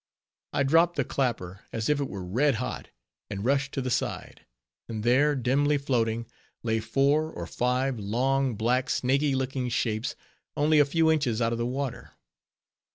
I dropt the clapper as if it were red hot, and rushed to the side; and there, dimly floating, lay four or five long, black snaky looking shapes, only a few inches out of the water.